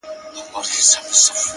هره پوښتنه د پوهېدو نوی پړاو دی!.